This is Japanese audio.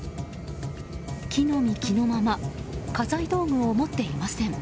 着の身着のまま家財道具を持っていません。